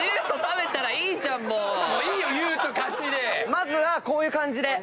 まずはこういう感じで。